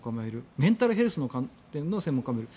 メンタルヘルスの観点の専門家もいる。